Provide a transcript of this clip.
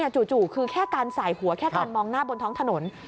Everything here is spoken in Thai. จู่คือแค่การสายหัวแค่การมองหน้าบนท้องถนน